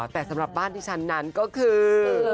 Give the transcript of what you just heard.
แต่สำหรับบ้านที่ฉันนั้นก็คือ